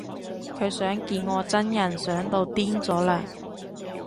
佢想見我真人想到癲咗喇